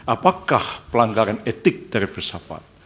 apakah pelanggaran etik dari filsafat